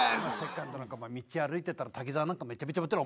道歩いてたら滝沢なんかめちゃめちゃモテる。